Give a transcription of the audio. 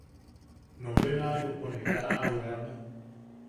Nobenaariompo ne kaa a weama.